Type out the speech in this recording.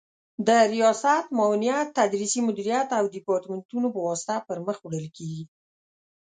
د ریاست، معاونیت، تدریسي مدیریت او دیپارتمنتونو په واسطه پر مخ وړل کیږي